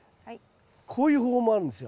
こういう方法もあるんですよ。